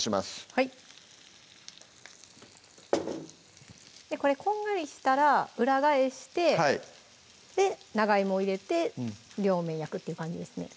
はいこれこんがりしたら裏返して長いもを入れて両面焼くっていう感じですね